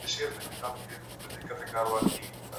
علم انسان مسوول ګرځوي.